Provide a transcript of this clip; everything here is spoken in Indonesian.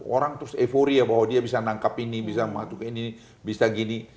orang terus euforia bahwa dia bisa menangkap ini bisa mematuhi ini bisa gini